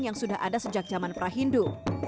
yang sudah ada sejak zaman prahindu